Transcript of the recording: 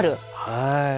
はい。